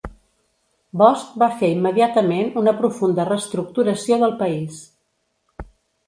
Bosch va fer immediatament una profunda reestructuració del país.